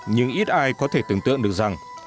nhưng ít ai có thể tưởng tượng được rằng